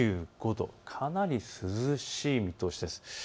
かなり涼しい見通しです。